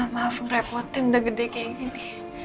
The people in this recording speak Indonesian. maaf ngerepotin udah gede kayak gini